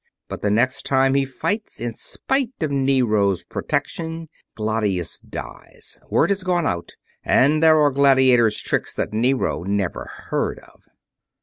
But the next time he fights, in spite of Nero's protection, Glatius dies. Word has gone out, and there are gladiators' tricks that Nero never heard of."